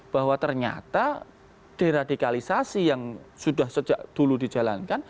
bahwa ternyata deradikalisasi yang sudah sejak dulu dijalankan